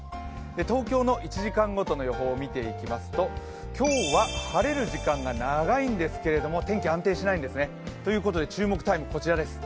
東京の１時間ごとの予報を見ていきますと今日は晴れる時間が長いんですけれども、天気、安定しないんですね、注目タイムはこちらです。